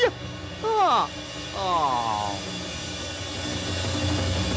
はあああ。